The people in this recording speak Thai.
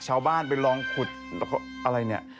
ชาวบ้านไปลองขุดอะไรเนี่ย